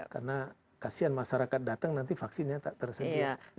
karena kasian masyarakat datang nanti vaksinnya tersenyum